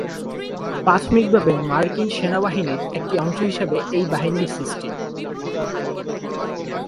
প্রাথমিকভাবে মার্কিন সেনাবাহিনীর একটি অংশ হিসেবে এই বাহিনীর সৃষ্টি।